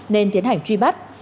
nên tiến hành truy bắt